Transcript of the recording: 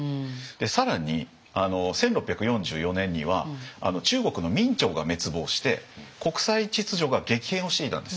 更に１６４４年には中国の明朝が滅亡して国際秩序が激変をしていたんです。